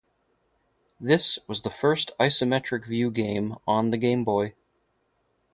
This was the first isometric view game on the Game Boy.